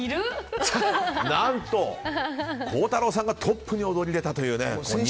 何と、孝太郎さんがトップに躍り出たというね。